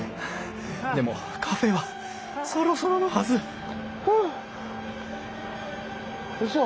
でもカフェはそろそろのはずうそ！？